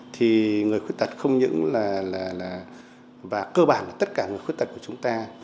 thì người khuyết tật không những là và cơ bản là tất cả người khuyết tật của chúng ta